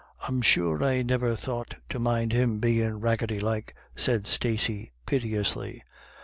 "I'm sure I niver thought to mind him bein' raggetty like," said Stacey piteously.